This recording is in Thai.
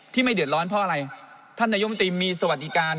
ไม่เดือดร้อนเพราะอะไรท่านนายมนตรีมีสวัสดิการ